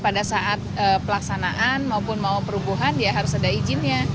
pelaksanaan maupun mau perubuhan ya harus ada izinnya